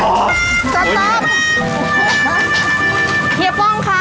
เฮียป้องค่ะ